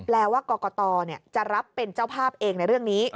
ว่ากรกตจะรับเป็นเจ้าภาพเองในเรื่องนี้